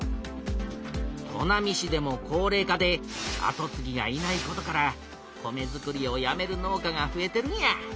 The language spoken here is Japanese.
砺波市でも高れい化で後つぎがいないことから米づくりをやめる農家がふえてるんや。